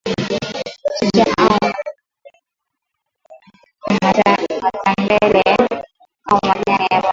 Mchicha au majani ya viazi matembele au majani ya maboga